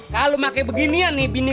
kalau pakai beginian nih